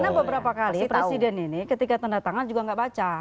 karena beberapa kali presiden ini ketika tanda tangan juga enggak baca